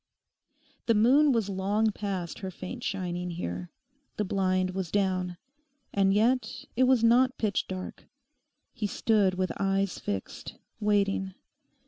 The moon was long past her faint shining here. The blind was down. And yet it was not pitch dark. He stood with eyes fixed, waiting.